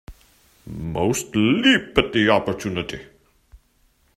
Most leap at the opportunity.